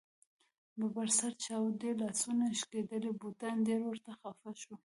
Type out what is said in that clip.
ببر سر، چاودې لاسونه ، شکېدلي بوټان ډېر ورته خفه شو.